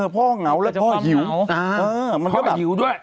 พ่อเหงาแล้วพ่อหิวมันก็แบบพ่อหิวด้วย